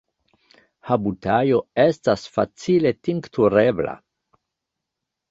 Habutajo estas facile tinkturebla.